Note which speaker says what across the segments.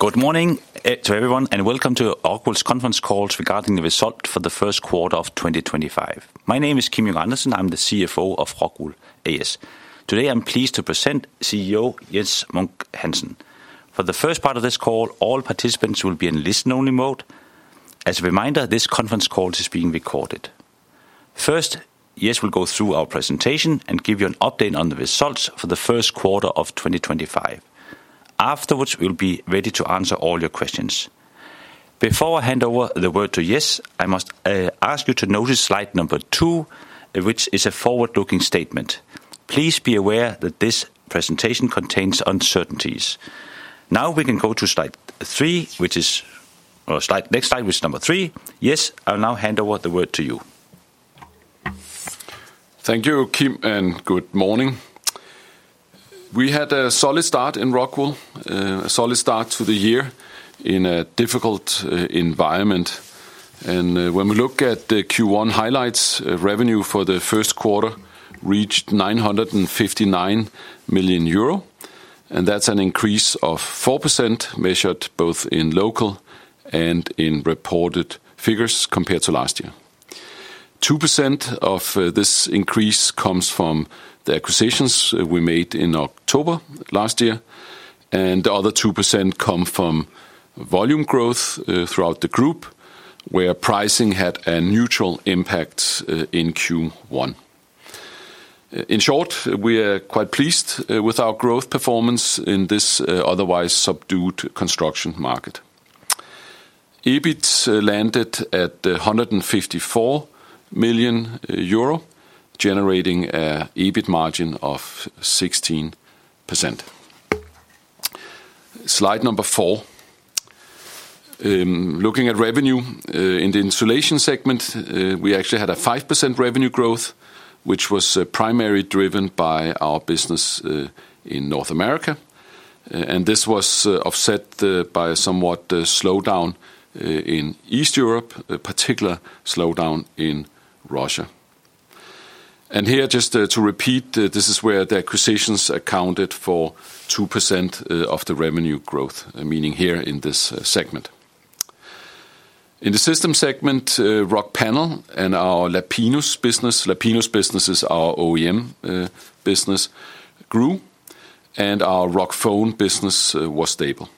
Speaker 1: Good morning to everyone, and welcome to Rockwool's conference calls regarding the result for the first quarter of 2025. My name is Kim Junge Andersen, and I'm the CFO of Rockwool A/S. Today, I'm pleased to present CEO Jes Munk Hansen. For the first part of this call, all participants will be in listen-only mode. As a reminder, this conference call is being recorded. First, Jes will go through our presentation and give you an update on the results for the first quarter of 2025. Afterwards, we'll be ready to answer all your questions. Before I hand over the word to Jes, I must ask you to notice slide number two, which is a forward-looking statement. Please be aware that this presentation contains uncertainties. Now we can go to slide three, which is next slide, which is number three. Jes, I'll now hand over the word to you.
Speaker 2: Thank you, Kim, and good morning. We had a solid start in Rockwool, a solid start to the year in a difficult environment. When we look at the Q1 highlights, revenue for the first quarter reached 959 million euro, and that's an increase of 4% measured both in local and in reported figures compared to last year. 2% of this increase comes from the acquisitions we made in October last year, and the other 2% comes from volume growth throughout the group, where pricing had a neutral impact in Q1. In short, we are quite pleased with our growth performance in this otherwise subdued construction market. EBIT landed at 154 million euro, generating an EBIT margin of 16%. Slide number four. Looking at revenue in the insulation segment, we actually had a 5% revenue growth, which was primarily driven by our business in North America, and this was offset by a somewhat slowdown in East Europe, a particular slowdown in Russia. Just to repeat, this is where the acquisitions accounted for 2% of the revenue growth, meaning here in this segment. In the system segment, Rockpanel and our Lapinus business, Lapinus business is our OEM business, grew, and our Rockfon business was stable.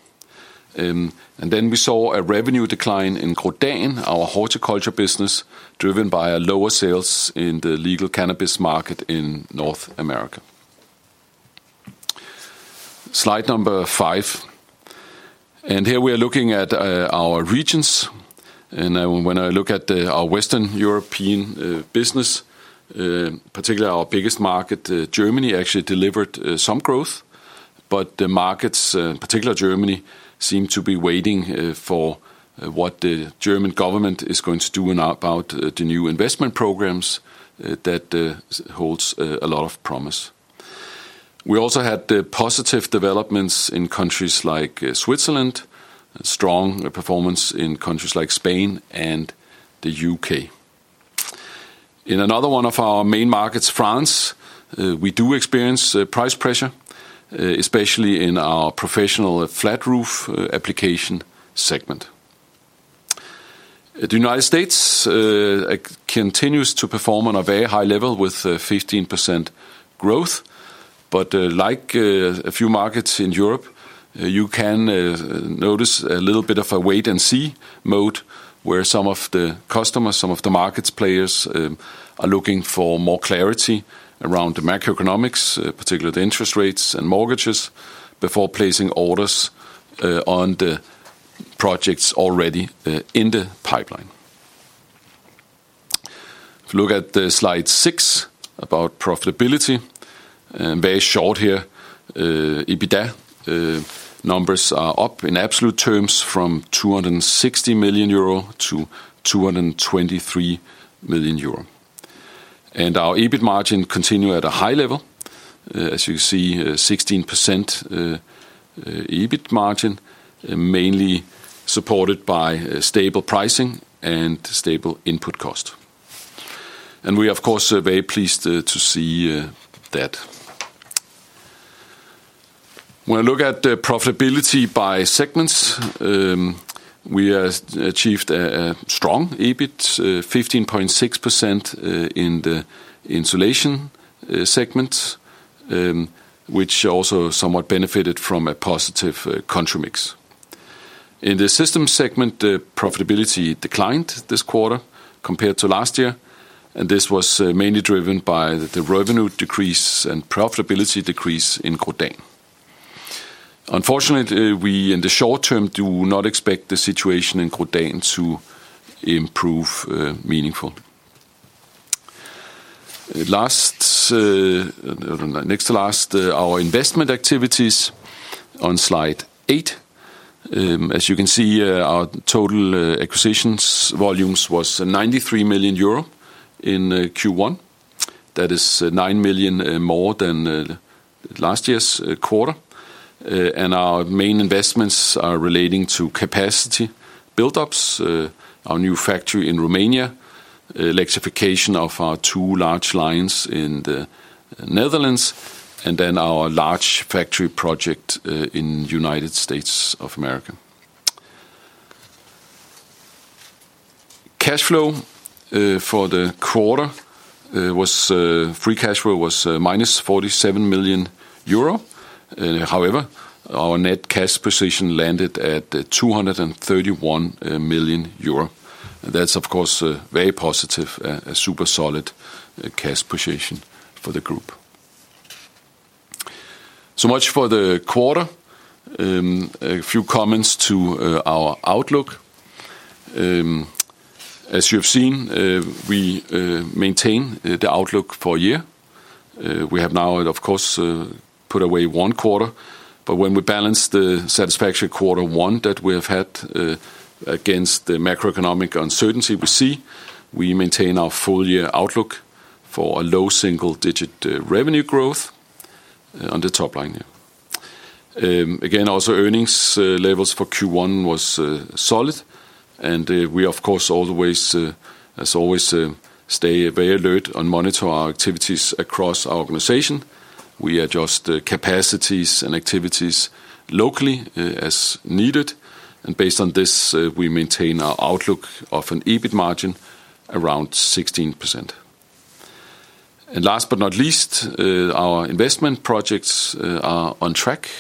Speaker 2: We saw a revenue decline in Grodan, our horticulture business, driven by lower sales in the legal cannabis market in North America. Slide number five. Here we are looking at our regions. When I look at our Western European business, particularly our biggest market, Germany actually delivered some growth, but the markets, particularly Germany, seem to be waiting for what the German government is going to do about the new investment programs that hold a lot of promise. We also had positive developments in countries like Switzerland, strong performance in countries like Spain and the U.K. In another one of our main markets, France, we do experience price pressure, especially in our professional flat roof application segment. The United States continues to perform on a very high level with 15% growth, but like a few markets in Europe, you can notice a little bit of a wait-and-see mode where some of the customers, some of the market players, are looking for more clarity around the macroeconomics, particularly the interest rates and mortgages, before placing orders on the projects already in the pipeline. If you look at slide six about profitability, very short here, EBITDA numbers are up in absolute terms from 206 million euro to 223 million euro. Our EBIT margin continues at a high level, as you can see, 16% EBIT margin, mainly supported by stable pricing and stable input cost. We are, of course, very pleased to see that. When I look at profitability by segments, we achieved a strong EBIT, 15.6% in the insulation segment, which also somewhat benefited from a positive country mix. In the systems segment, profitability declined this quarter compared to last year, and this was mainly driven by the revenue decrease and profitability decrease in Grodan. Unfortunately, we in the short term do not expect the situation in Grodan to improve meaningfully. Next to last, our investment activities on slide eight. As you can see, our total acquisitions volumes were 93 million euro in Q1. That is 9 million more than last year's quarter. Our main investments are relating to capacity buildups, our new factory in Romania, electrification of our two large lines in the Netherlands, and then our large factory project in the United States of America. Cash flow for the quarter was free cash flow was -47 million euro. However, our net cash position landed at 231 million euro. That's, of course, very positive, a super solid cash position for the group. So much for the quarter. A few comments to our outlook. As you have seen, we maintain the outlook for the year. We have now, of course, put away one quarter, but when we balance the satisfaction quarter one that we have had against the macroeconomic uncertainty we see, we maintain our full year outlook for a low single-digit revenue growth on the top line. Again, also earnings levels for Q1 were solid, and we, of course, always stay very alert and monitor our activities across our organization. We adjust capacities and activities locally as needed, and based on this, we maintain our outlook of an EBIT margin around 16%. Last but not least, our investment projects are on track.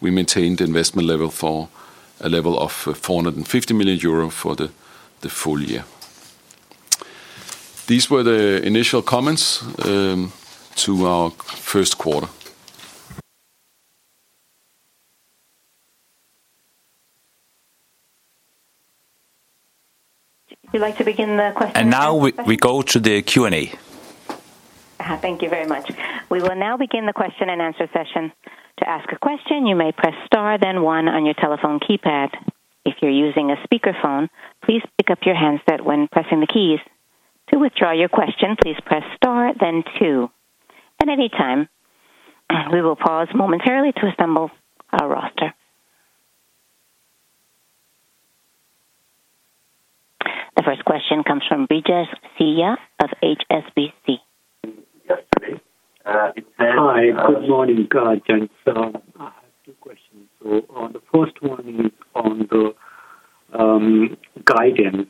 Speaker 2: We maintain the investment level for a level of 450 million euro for the full year. These were the initial comments to our first quarter.
Speaker 3: Would you like to begin the question?
Speaker 1: We go to the Q&A.
Speaker 3: Thank you very much. We will now begin the question and answer session. To ask a question, you may press star, then one on your telephone keypad. If you're using a speakerphone, please pick up your handset when pressing the keys. To withdraw your question, please press star, then two. At any time, we will pause momentarily to assemble our roster. The first question comes from Brijesh Siya of HSBC.
Speaker 4: Hi, good morning, Jens. I have two questions. The first one is on the guidance.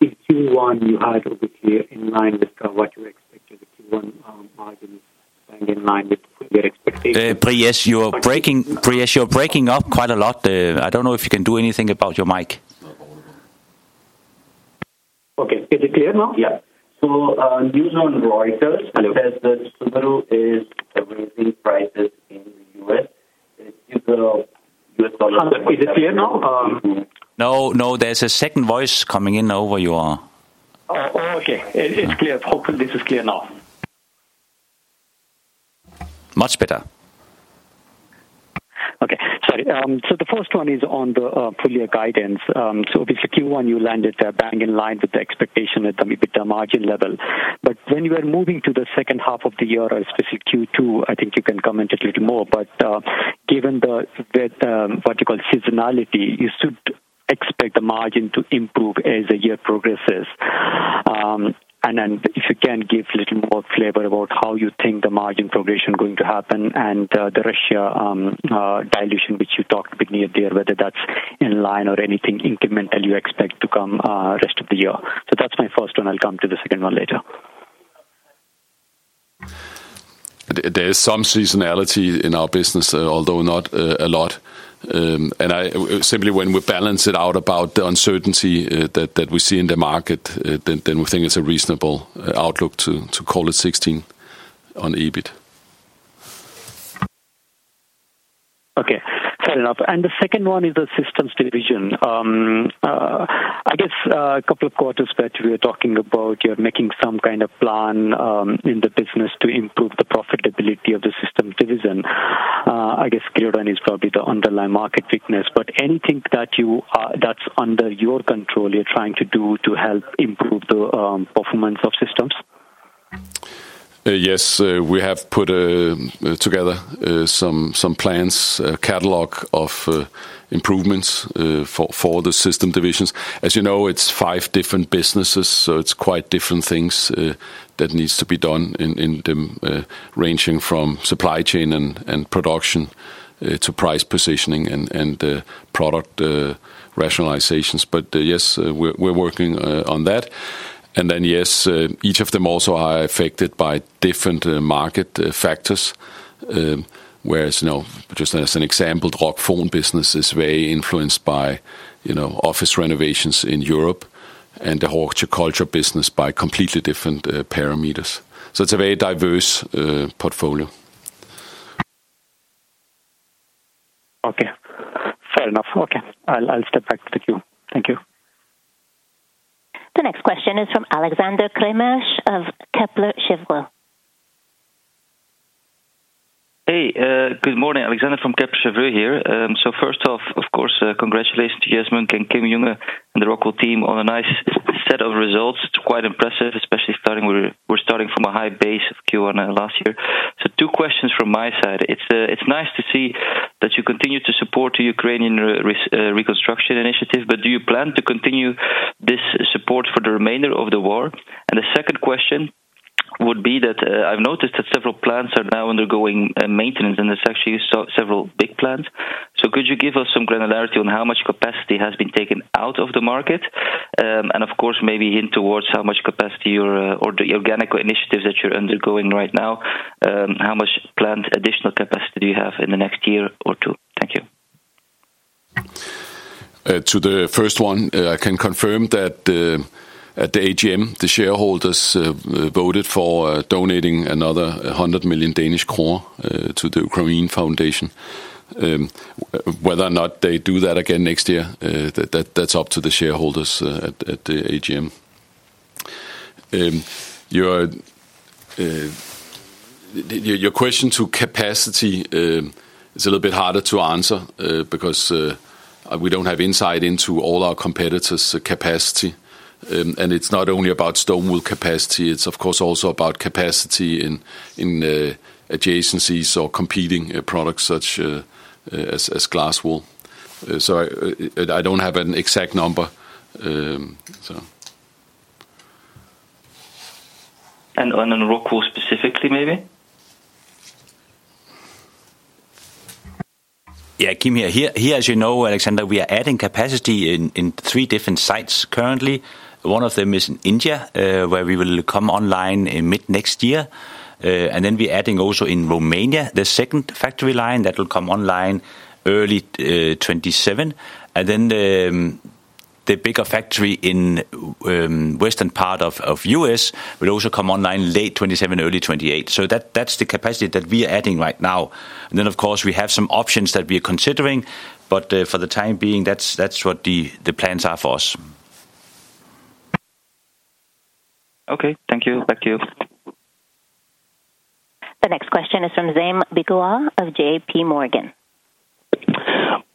Speaker 4: In Q1, you had obviously in line with what you expected, the Q1 margin
Speaker 1: Yes, you are breaking up quite a lot. I do not know if you can do anything about your mic.
Speaker 4: Okay, is it clear now?
Speaker 1: Yeah.
Speaker 4: News on Reuters says that Subaru is raising prices in the U.S. Is it clear now?
Speaker 1: No, no, there's a second voice coming in over your.
Speaker 4: Oh, okay. It's clear. Hopefully, this is clear now.
Speaker 1: Much better.
Speaker 4: Okay, sorry. The first one is on the full year guidance. Obviously, Q1, you landed there bang in line with the expectation at the EBITDA margin level. But when you are moving to the second half of the year, or specifically Q2, I think you can comment a little more. Given what you call seasonality, you should expect the margin to improve as the year progresses. Um and then if you can give a little more flavor about how you think the margin progression is going to happen and the Russia dilution, which you talked a bit near there, whether that is in line or anything incremental you expect to come the rest of the year. That is my first one. I will come to the second one later.
Speaker 2: There is some seasonality in our business, although not a lot. When we balance it out about the uncertainty that we see in the market, we think it is a reasonable outlook to call it 16% on EBIT.
Speaker 4: Okay, fair enough. The second one is the systems division. I guess a couple of quarters that we are talking about, you're making some kind of plan in the business to improve the profitability of the systems division. I guess Grodan is probably the underlying market weakness, but anything that's under your control you're trying to do to help improve the performance of systems?
Speaker 2: Yes, we have put together some plans, a catalog of improvements for the systems divisions. As you know, it's five different businesses, so it's quite different things that need to be done in them, ranging from supply chain and production to price positioning and product rationalizations. Yes, we're working on that. Each of them also are affected by different market factors, whereas just as an example, the Rockfon business is very influenced by office renovations in Europe and the horticulture business by completely different parameters. It is a very diverse portfolio.
Speaker 4: Okay, fair enough. Okay, I'll step back to the queue. Thank you.
Speaker 3: The next question is from Alexander Craeymeersch of Kepler Cheuvreux.
Speaker 5: Hey, good morning. Alexander from Kepler Cheuvreux here. First off, of course, congratulations to Jes Munk and Kim Junge and the Rockwool team on a nice set of results. It's quite impressive, especially starting where we're starting from a high base of Q1 last year. Two questions from my side. It's nice to see that you continue to support the Ukrainian reconstruction initiative, but do you plan to continue this support for the remainder of the war? The second question would be that I've noticed that several plants are now undergoing maintenance, and it's actually several big plants. Could you give us some granularity on how much capacity has been taken out of the market? And of course, maybe hint towards how much capacity or the organic initiatives that you're undergoing right now, how much plant additional capacity do you have in the next year or two? Thank you.
Speaker 2: To the first one, I can confirm that at the AGM, the shareholders voted for donating another EUR 100 million to the Ukrainian foundation. Whether or not they do that again next year, that's up to the shareholders at the AGM. Your question to capacity is a little bit harder to answer because we don't have insight into all our competitors' capacity. It's not only about stone wool capacity. It's, of course, also about capacity in adjacencies or competing products such as glass wool. I don't have an exact number.
Speaker 5: And on Rockwool specifically, maybe?
Speaker 1: Yeah, Kim here. Here, as you know, Alexander, we are adding capacity in three different sites currently. One of them is in India, where we will come online mid next year. We are adding also in Romania the second factory line that will come online early 2027. The bigger factory in the western part of the U.S. will also come online late 2027, early 2028. That is the capacity that we are adding right now. Of course, we have some options that we are considering, but for the time being, that is what the plans are for us.
Speaker 5: Okay, thank you. Back to you.
Speaker 3: The next question is from Zaim Beekawa of JPMorgan.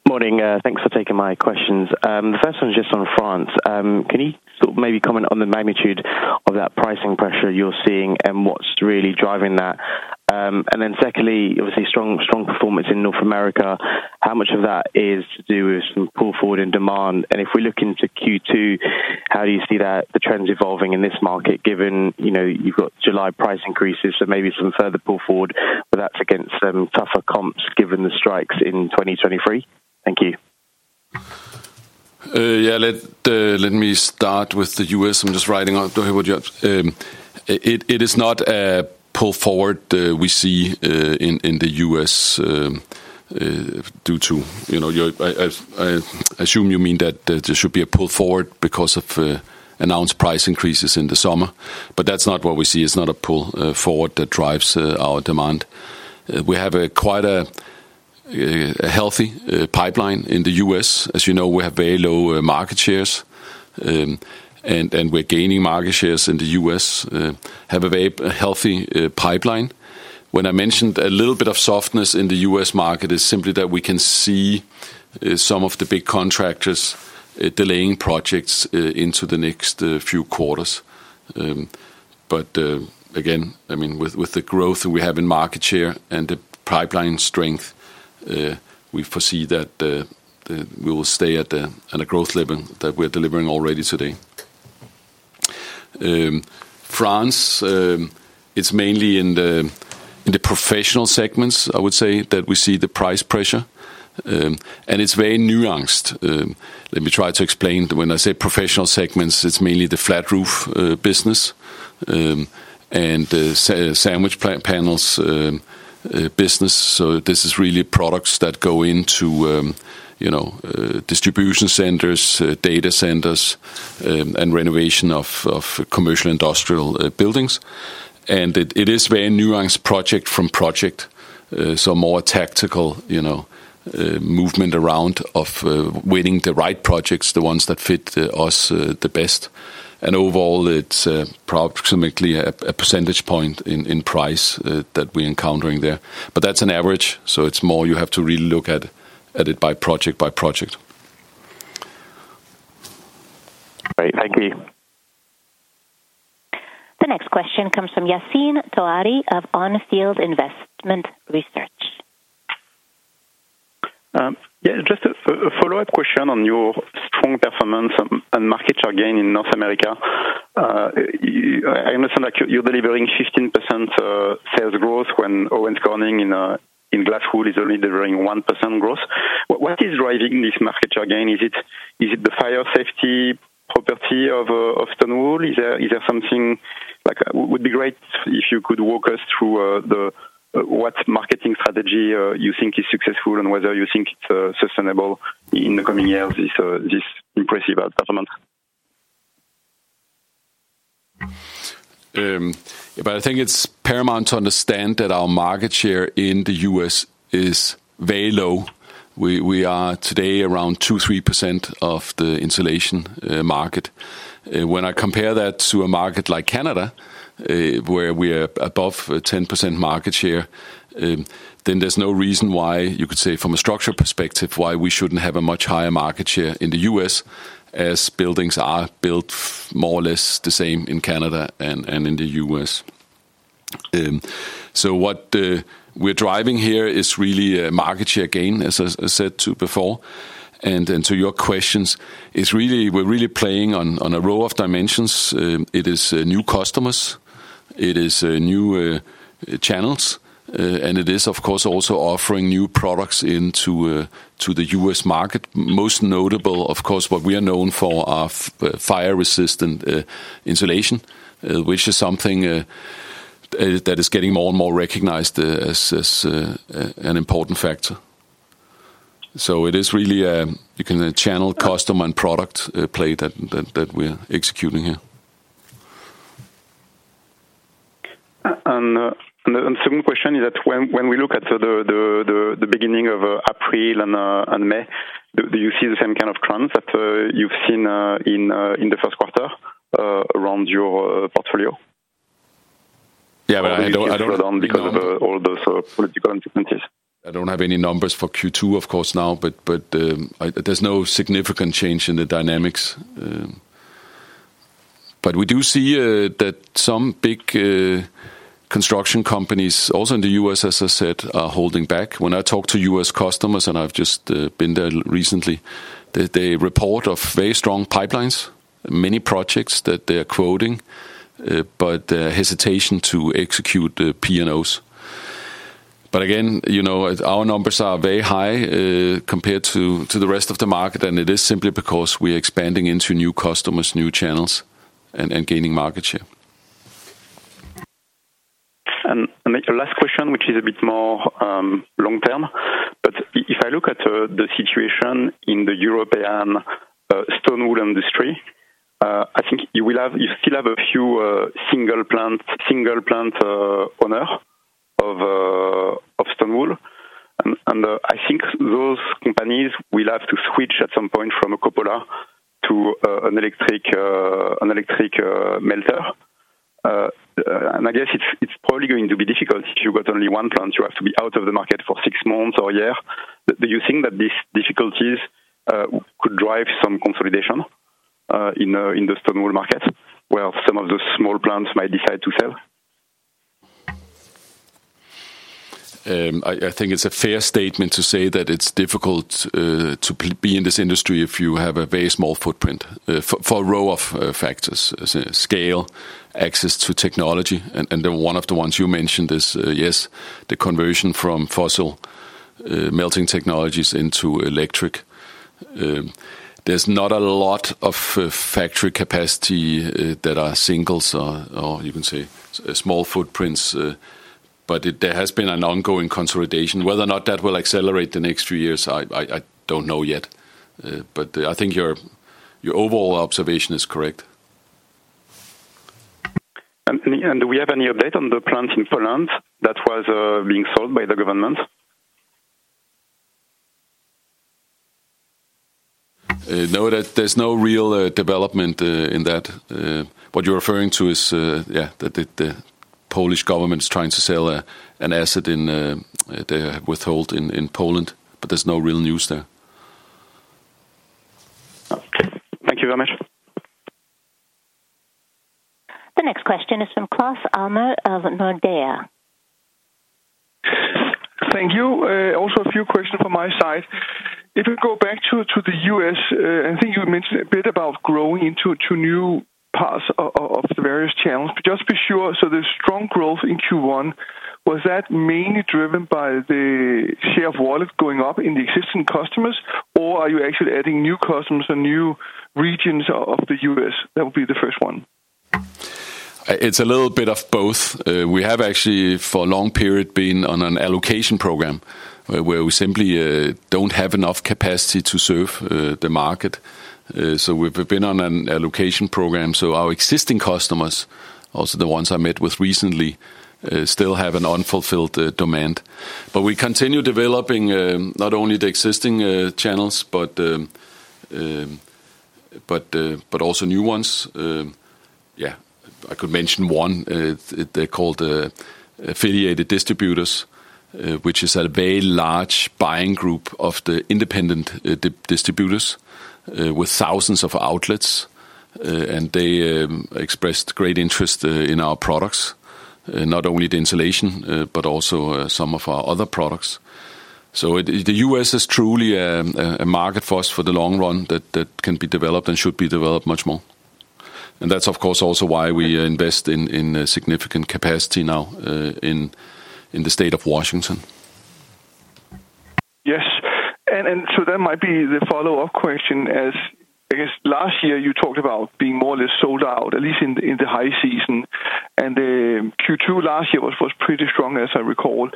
Speaker 6: Morning. Thanks for taking my questions. The first one is just on France. Can you maybe comment on the magnitude of that pricing pressure you're seeing and what's really driving that? Secondly, obviously, strong performance in North America. How much of that is to do with some pull forward in demand? If we look into Q2, how do you see the trends evolving in this market given you've got July price increases, so maybe some further pull forward, but that's against some tougher comps given the strikes in 2023? Thank you.
Speaker 2: Yeah, let me start with the U.S. I'm just writing onto here. It is not a pull forward we see in the U.S. due to, you know if I assume you mean that there should be a pull forward because of announced price increases in the summer, but that's not what we see. It's not a pull forward that drives our demand. We have quite a healthy pipeline in the U.S. As you know, we have very low market shares, and we're gaining market shares in the U.S., have a very healthy pipeline. When I mentioned a little bit of softness in the U.S. market, it's simply that we can see some of the big contractors delaying projects into the next few quarters. Again, I mean, with the growth we have in market share and the pipeline strength, we foresee that we will stay at the growth level that we're delivering already today. France, it's mainly in the professional segments, I would say, that we see the price pressure, and it's very nuanced. Let me try to explain. When I say professional segments, it's mainly the flat roof business and sandwich panels business. This is really products that go into distribution centers, data centers, and renovation of commercial industrial buildings. It is a very nuanced project from project, so more tactical movement around winning the right projects, the ones that fit us the best. Overall, it's approximately a percentage point in price that we're encountering there. That's an average, so you have to really look at it by project by project.
Speaker 6: Great. Thank you.
Speaker 3: The next question comes from Yassine Touahri of On Field Investment Research.
Speaker 7: Yeah, just a follow-up question on your strong performance and market share gain in North America. I understand that you're delivering 15% sales growth when Owens Corning in glass wool is only delivering 1% growth. What is driving this market share gain? Is it the fire safety property of stone wool? Is there something like it would be great if you could walk us through what marketing strategy you think is successful and whether you think it's sustainable in the coming years this impressive performance?
Speaker 2: I think it's paramount to understand that our market share in the U.S. is very low. We are today around 2%-3% of the insulation market. When I compare that to a market like Canada, where we are above 10% market share, then there's no reason why you could say from a structure perspective why we shouldn't have a much higher market share in the U.S., as buildings are built more or less the same in Canada and in the U.S. What we're driving here is really a market share gain, as I said before. To your questions, we're really playing on a row of dimensions. It is new customers, it is new channels, and it is, of course, also offering new products into the U.S. market. Most notable, of course, what we are known for are fire resistant insulation, which is something that is getting more and more recognized as an important factor. It is really a channel, custom, and product play that we're executing here.
Speaker 7: The second question is that when we look at the beginning of April and May, do you see the same kind of trends that you've seen in the first quarter around your portfolio?
Speaker 2: Yeah, but I don't.
Speaker 7: Because of all those political uncertainties.
Speaker 2: I don't have any numbers for Q2, of course, now, but there's no significant change in the dynamics. We do see that some big construction companies, also in the U.S., as I said, are holding back. When I talk to U.S. customers, and I've just been there recently, they report very strong pipelines, many projects that they are quoting, but hesitation to execute P&Os. Again, our numbers are very high compared to the rest of the market, and it is simply because we are expanding into new customers, new channels, and gaining market share.
Speaker 7: Your last question, which is a bit more long term, but if I look at the situation in the European stone wool industry, I think you still have a few single plant owner of stone wool. I think those companies will have to switch at some point from a Coppola to an electric melter. I guess it's probably going to be difficult if you've got only one plant. You have to be out of the market for six months or a year. Do you think that these difficulties could drive some consolidation in the stone wool market, where some of the small plants might decide to sell?
Speaker 2: I think it's a fair statement to say that it's difficult to be in this industry if you have a very small footprint for a row of factors: scale, access to technology. One of the ones you mentioned is, yes, the conversion from fossil melting technologies into electric. There's not a lot of factory capacity that are singles or you can say small footprints, but there has been an ongoing consolidation. Whether or not that will accelerate the next few years, I don't know yet, but I think your overall observation is correct.
Speaker 7: Do we have any update on the plants in Poland that were being sold by the government?
Speaker 2: No, there's no real development in that. What you're referring to is, yeah, that the Polish government is trying to sell an asset they withhold in Poland, but there's no real news there.
Speaker 4: Okay. Thank you very much.
Speaker 3: The next question is from Claus Almer of Nordea.
Speaker 8: Thank you. Also a few questions from my side. If we go back to the U.S., I think you mentioned a bit about growing into new parts of the various channels. Just to be sure, the strong growth in Q1, was that mainly driven by the share of wallet going up in the existing customers, or are you actually adding new customers and new regions of the U.S.? That would be the first one.
Speaker 2: It's a little bit of both. We have actually, for a long period, been on an allocation program where we simply do not have enough capacity to serve the market. We have been on an allocation program. Our existing customers, also the ones I met with recently, still have an unfulfilled demand. We continue developing not only the existing channels, but also new ones. I could mention one. They are called affiliated distributors, which is a very large buying group of the independent distributors with thousands of outlets. They expressed great interest in our products, not only the insulation, but also some of our other products. The U.S. is truly a market for us for the long run that can be developed and should be developed much more. That is, of course, also why we invest in significant capacity now in the state of Washington.
Speaker 8: Yes. That might be the follow-up question. I guess last year you talked about being more or less sold out, at least in the high season. Q2 last year was pretty strong, as I recall.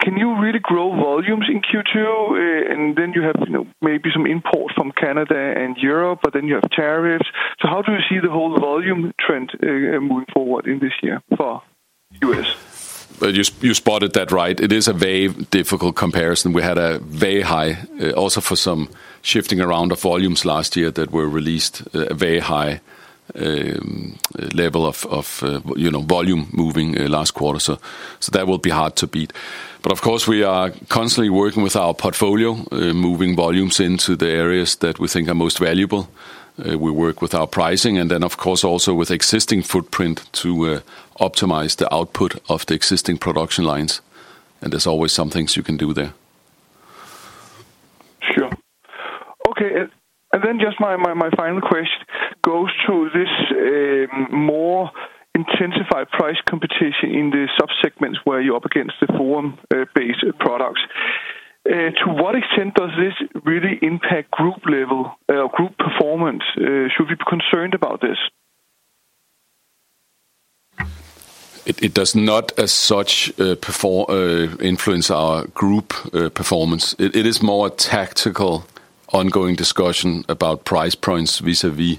Speaker 8: Can you really grow volumes in Q2? You have maybe some import from Canada and Europe, but then you have tariffs. How do you see the whole volume trend moving forward in this year for the U.S.?
Speaker 2: You spotted that right. It is a very difficult comparison. We had a very high, also for some shifting around of volumes last year that were released, a very high level of volume moving last quarter. That will be hard to beat. Of course, we are constantly working with our portfolio, moving volumes into the areas that we think are most valuable. We work with our pricing and then, of course, also with existing footprint to optimize the output of the existing production lines. There is always some things you can do there.
Speaker 8: Sure. Okay. Just my final question goes to this more intensified price competition in the subsegments where you're up against the foam-based products. To what extent does this really impact group level or group performance? Should we be concerned about this?
Speaker 2: It does not as such influence our group performance. It is more a tactical ongoing discussion about price points vis-à-vis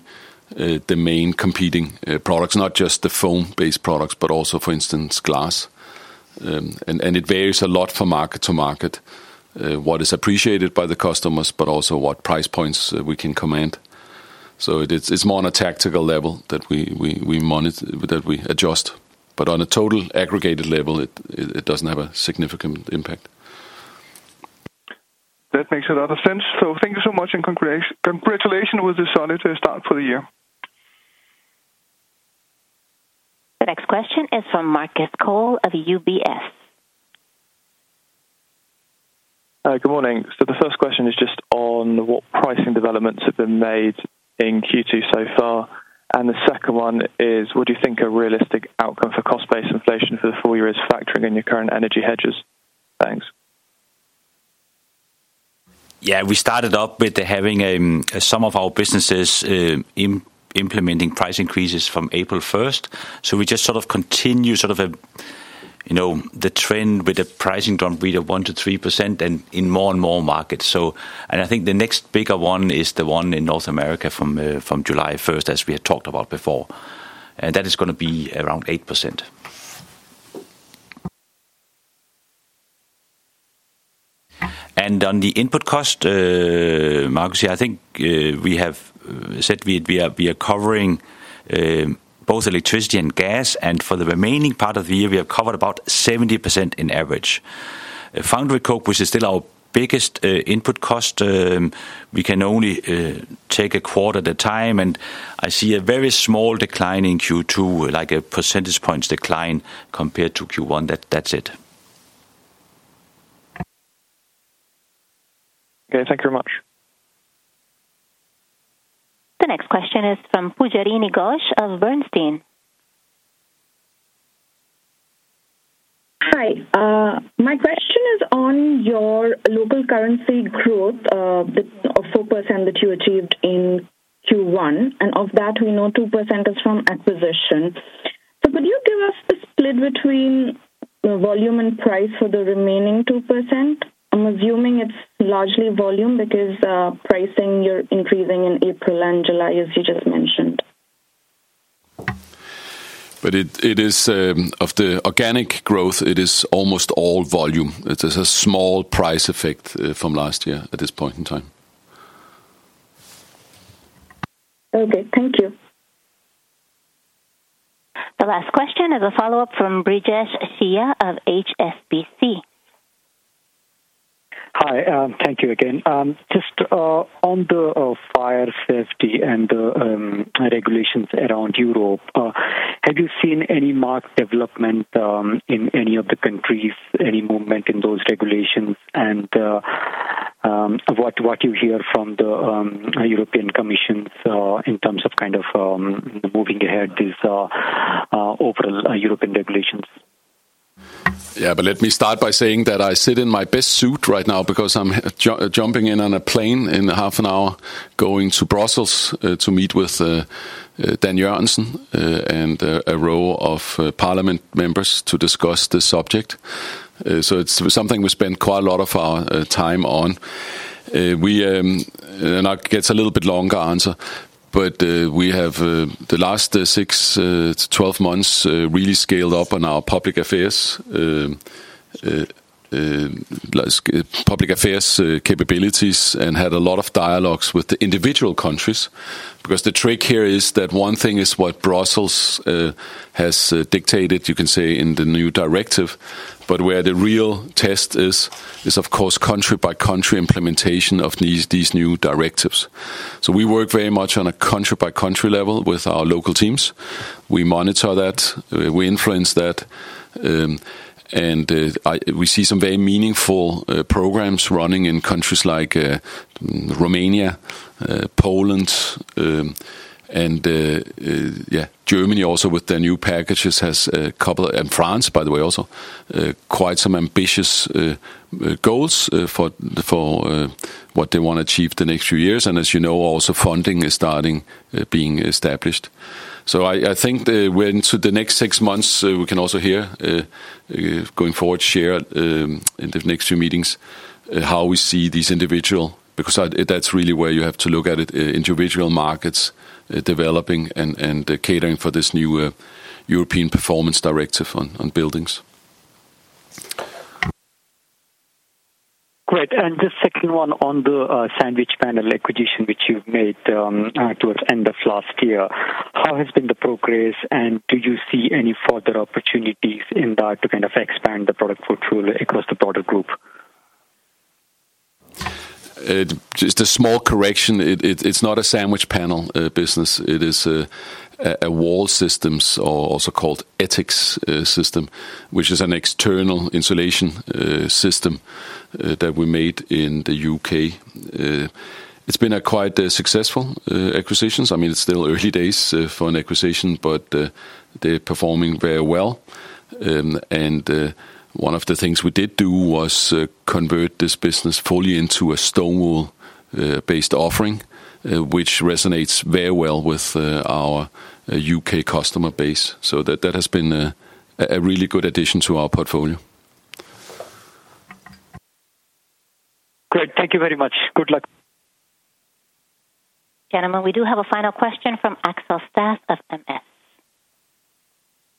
Speaker 2: the main competing products, not just the foam-based products, but also, for instance, glass. It varies a lot from market to market, what is appreciated by the customers, but also what price points we can command. It is more on a tactical level that we adjust. On a total aggregated level, it does not have a significant impact.
Speaker 8: That makes a lot of sense. Thank you so much, and congratulations with the solid start for the year.
Speaker 3: The next question is from Marcus Cole of UBS.
Speaker 9: Good morning. The first question is just on what pricing developments have been made in Q2 so far. The second one is, what do you think a realistic outcome for cost-based inflation for the full year is factoring in your current energy hedges? Thanks.
Speaker 1: Yeah, we started off with having some of our businesses implementing price increases from April 1st. We just sort of continue the trend with the pricing dropped with a 1%-3% in more and more markets. I think the next bigger one is the one in North America from July 1st, as we had talked about before. That is going to be around 8%. On the input cost, Marcus, I think we have said we are covering both electricity and gas. For the remaining part of the year, we have covered about 70% in average. Foundry Coke, which is still our biggest input cost, we can only take a quarter at a time. I see a very small decline in Q2, like a percentage points decline compared to Q1. That's it.
Speaker 9: Okay. Thank you very much.
Speaker 3: The next question is from Pujarini Ghosh of Bernstein.
Speaker 10: Hi. My question is on your local currency growth of 4% that you achieved in Q1. Of that, we know 2% is from acquisition. Could you give us the split between volume and price for the remaining 2%? I'm assuming it's largely volume because pricing you're increasing in April and July, as you just mentioned.
Speaker 2: Of the organic growth, it is almost all volume. It is a small price effect from last year at this point in time.
Speaker 10: Okay. Thank you.
Speaker 3: The last question is a follow-up from Brijesh Siya of HSBC.
Speaker 4: Hi. Thank you again. Just on the fire safety and regulations around Europe, have you seen any marked development in any of the countries, any movement in those regulations, and what you hear from the European Commission in terms of kind of moving ahead these overall European regulations?
Speaker 2: Yeah, but let me start by saying that I sit in my best suit right now because I'm jumping in on a plane in half an hour going to Brussels to meet with Danny Jørgensen and a row of parliament members to discuss this subject. So it's something we spend quite a lot of our time on. And that gets a little bit longer answer. But we have the last 6-12 months really scaled up on our public affairs capabilities and had a lot of dialogues with the individual countries. Because the trick here is that one thing is what Brussels has dictated, you can say, in the new directive, but where the real test is, is of course country-by-country implementation of these new directives. So we work very much on a country-by-country level with our local teams. We monitor that, we influence that, and we see some very meaningful programs running in countries like Romania, Poland, and Germany also with their new packages has a couple of, and France, by the way, also quite some ambitious goals for what they want to achieve the next few years. As you know, also funding is starting being established. I think we're into the next six months, we can also here going forward, share in the next few meetings how we see these individual, because that's really where you have to look at it, individual markets developing and catering for this new European performance directive on buildings.
Speaker 4: Great. The second one on the sandwich panel acquisition, which you have made towards the end of last year, how has been the progress, and do you see any further opportunities in that to kind of expand the product portfolio across the broader group?
Speaker 2: Just a small correction. It's not a sandwich panel business. It is a wall system, also called ETICS system, which is an external insulation system that we made in the U.K. It's been quite a successful acquisition. I mean, it's still early days for an acquisition, but they're performing very well. One of the things we did do was convert this business fully into a stone wool-based offering, which resonates very well with our U.K. customer base. That has been a really good addition to our portfolio.
Speaker 4: Great. Thank you very much. Good luck.
Speaker 3: Gentlemen, we do have a final question from Axel Stasse of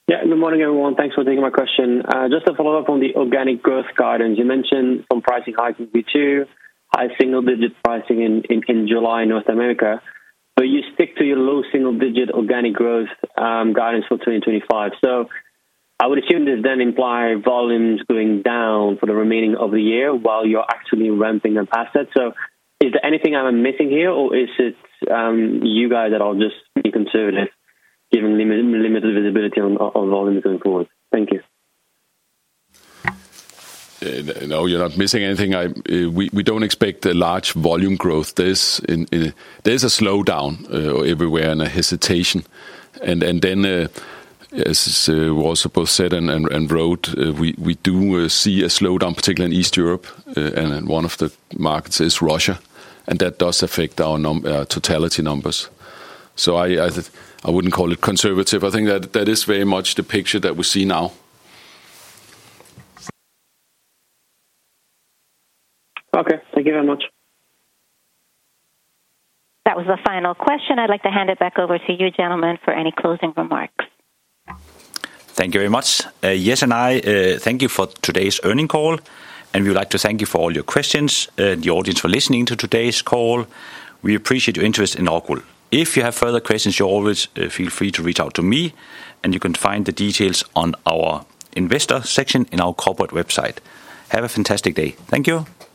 Speaker 11: Yeah. Good morning, everyone. Thanks for taking my question. Just a follow-up on the organic growth guidance. You mentioned some pricing hikes in Q2, high single-digit pricing in July in North America. You stick to your low single-digit organic growth guidance for 2025. I would assume this then implies volumes going down for the remaining of the year while you're actually ramping up assets. Is there anything I'm missing here, or is it you guys that are just being conservative, given limited visibility on volumes going forward? Thank you.
Speaker 2: No, you're not missing anything. We don't expect a large volume growth. There's a slowdown everywhere and a hesitation. As was both said and wrote, we do see a slowdown, particularly in East Europe, and one of the markets is Russia. That does affect our totality numbers. I wouldn't call it conservative. I think that is very much the picture that we see now.
Speaker 11: Okay. Thank you very much.
Speaker 3: That was the final question. I'd like to hand it back over to you, gentlemen, for any closing remarks.
Speaker 1: Thank you very much. Jes and I thank you for today's earning call. We would like to thank you for all your questions and the audience for listening to today's call. We appreciate your interest in our call. If you have further questions, you always feel free to reach out to me. You can find the details on our investor section in our corporate website. Have a fantastic day. Thank you.